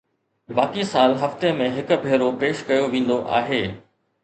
باقي سال هفتي ۾ هڪ ڀيرو پيش ڪيو ويندو آهي